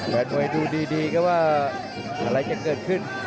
แฟนมวยดูดีครับว่าอะไรจะเกิดขึ้น